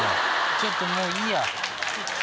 ちょっともういいや。